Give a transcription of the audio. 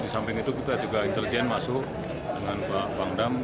di samping itu kita juga intelijen masuk dengan pak pangdam